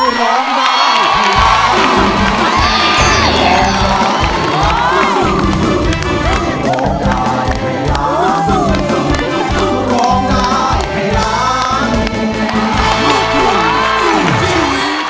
ร้องให้ร้านคุณซิม